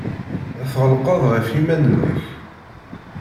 Tɣelqeḍ ɣef yiman-nnek.